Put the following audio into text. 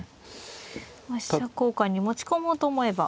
飛車交換に持ち込もうと思えば。